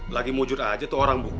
lagi mujur aja tuh orang bu